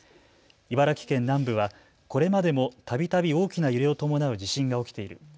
茨城県南部はこれまでもたびたび大きな揺れを伴う地震が起きている。